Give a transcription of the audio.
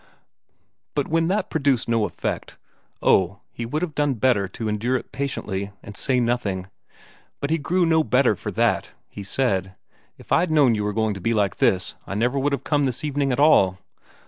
But when that produced no effect oh, he would have done better to endure it patiently, and say nothing. But he grew no better for that; he said: "If I'd known you were going to be like this, I'd never have come this evening at all."